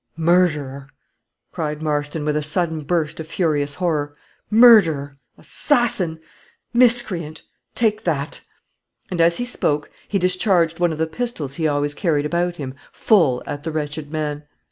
"Murderer!" cried Marston, with a sudden burst of furious horror, "murderer assassin miscreant take that!" And, as he spoke, he discharged one of the pistols he always carried about him full at the wretched man.